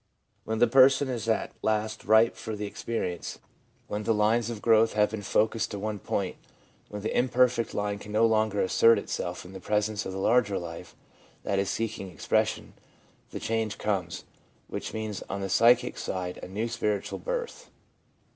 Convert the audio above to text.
When the person is at last ripe for the experience, when the lines of n6 THE PSYCHOLOGY OF RELIGION growth have been focused to one point, when the imperfect life can no longer assert itself in the presence of the larger life that is seeking expression, the change comes, which means on the psychic side a new spiritual birth.